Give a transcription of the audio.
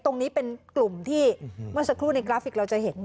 ตรงนี้เป็นกลุ่มที่เมื่อสักครู่ในกราฟิกเราจะเห็น